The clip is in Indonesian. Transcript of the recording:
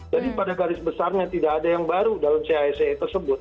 jadi pada garis besarnya tidak ada yang baru dalam cisi tersebut